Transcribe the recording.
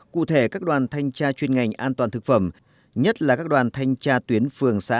cụ thể các đoàn thanh tra chuyên ngành an toàn thực phẩm nhất là các đoàn thanh tra tuyến phường xã